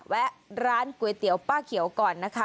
แวะร้านก๋วยเตี๋ยวป้าเขียวก่อนนะคะ